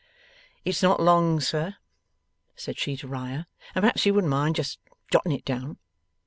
'It's not long, sir,' said she to Riah, 'and perhaps you wouldn't mind just jotting it down.